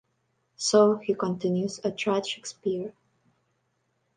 "So," he continues, "I tried Shakespeare.